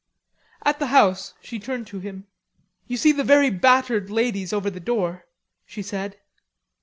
At the house she turned to him; "You see the very battered ladies over the door," she said.